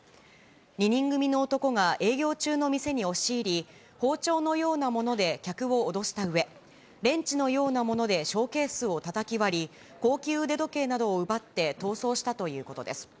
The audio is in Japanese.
２人組の男が営業中の店に押し入り、包丁のようなもので客を脅したうえ、レンチのようなものでショーケースをたたき割り、高級腕時計などを奪って逃走したということです。